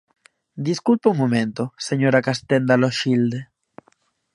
Desculpe un momento, señora Castenda Loxilde.